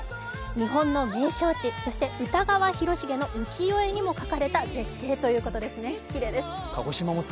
日本の名勝地、そして歌川広重の浮世絵にも描かれた絶景ということですね、きれいです。